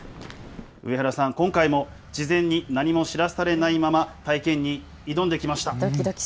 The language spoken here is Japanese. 上原さん、今回も事前に何も知らされないまま体験に挑んできました。